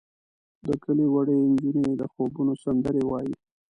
د کلي وړې نجونې د خوبونو سندرې وایې.